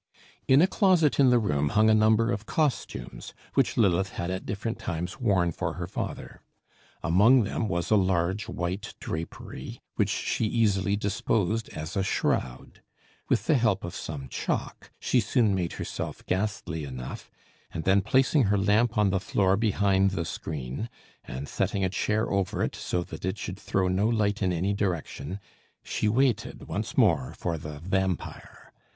In a closet in the room hung a number of costumes, which Lilith had at different times worn for her father. Among them was a large white drapery, which she easily disposed as a shroud. With the help of some chalk, she soon made herself ghastly enough, and then placing her lamp on the floor behind the screen, and setting a chair over it, so that it should throw no light in any direction, she waited once more for the vampire.